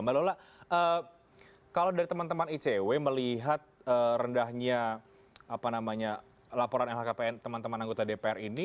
mbak lola kalau dari teman teman icw melihat rendahnya laporan lhkpn teman teman anggota dpr ini